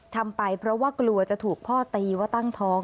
ทำไปเพราะว่ากลัวจะถูกพ่อตีว่าตั้งท้อง